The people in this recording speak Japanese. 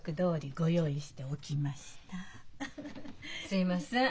すみません。